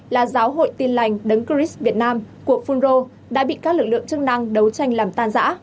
là giáo hội tin lành đấng chris việt nam của funro đã bị các lực lượng chức năng đấu tranh làm tan giã